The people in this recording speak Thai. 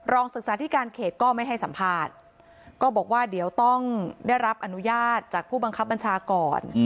ศึกษาธิการเขตก็ไม่ให้สัมภาษณ์ก็บอกว่าเดี๋ยวต้องได้รับอนุญาตจากผู้บังคับบัญชาก่อน